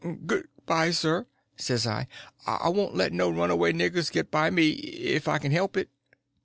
"Good bye, sir," says I; "I won't let no runaway niggers get by me if I can help it."